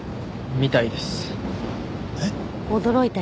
えっ？